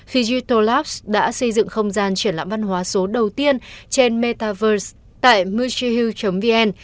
fijitolabs đã xây dựng không gian triển lãm văn hóa số đầu tiên trên metaverse tại muchihil vn